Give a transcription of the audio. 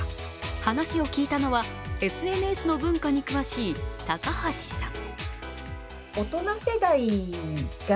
話を聞いたのはＳＮＳの文化に詳しい高橋さん。